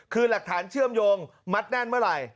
คือหลักฐานเชื่อมโยงมัดแน่นเมื่อไหร่